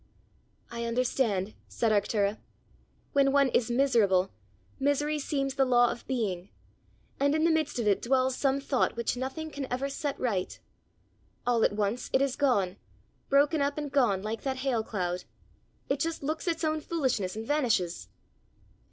"I understand!" said Arctura: "when one is miserable, misery seems the law of being; and in the midst of it dwells some thought which nothing can ever set right! All at once it is gone, broken up and gone, like that hail cloud. It just looks its own foolishness and vanishes."